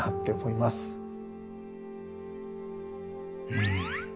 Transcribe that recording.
うん。